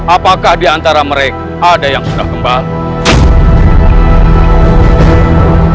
apakah di antara mereka ada yang sudah kembali